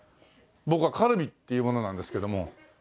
僕はカルビっていう者なんですけども。